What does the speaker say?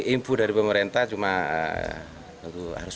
impul dari pemerintah cuma harus memperbaiki